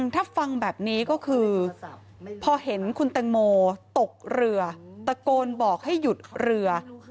ถ้าฟังแบบนี้ก็คือพอเห็นคุณแตงโมตกเรือตะโกนบอกให้หยุดเรือ